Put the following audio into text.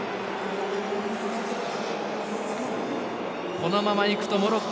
このままいくとモロッコ